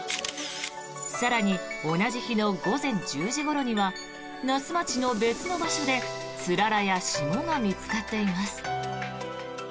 更に同じ日の午前１０時ごろには那須町の別の場所でつららや霜が見つかっています。